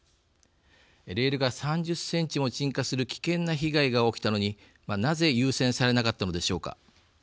レールが３０センチも沈下する危険な被害が起きたのに、なぜ優先されなかったのでしょうか。